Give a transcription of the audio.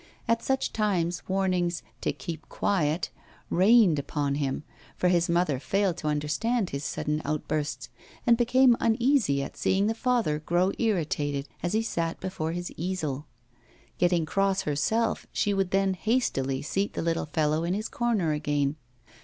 At such times warnings 'to keep quiet' rained upon him, for his mother failed to understand his sudden outbursts, and became uneasy at seeing the father grow irritated as he sat before his easel. Getting cross herself, she would then hastily seat the little fellow in his corner again.